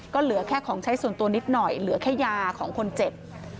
ก็เหลือแค่ของใช้ส่วนตัวนิดหน่อยเหลือแค่ยาของคนเจ็บ